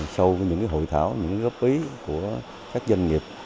sau những hội thảo những góp ý của các doanh nghiệp